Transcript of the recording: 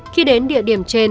khi đến địa điểm trên